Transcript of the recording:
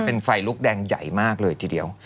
เป็นไฟลุกแดงใหญ่มากเลยทีเดียว